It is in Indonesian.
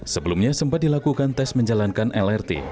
sebelumnya sempat dilakukan tes menjalankan lrt